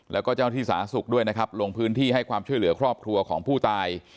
แล้วก็เจ้าที่สาธารณสุขด้วยนะครับลงพื้นที่ให้ความช่วยเหลือครอบครัวของผู้ตาย